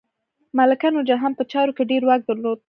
ملکه نورجهان په چارو کې ډیر واک درلود.